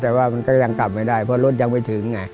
แต่ว่ามันก็ยังกลับไม่ได้เพราะรถยังไม่ถึงไง